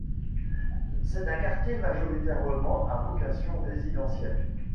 C'est un quartier majoritairement à vocation résidentielle.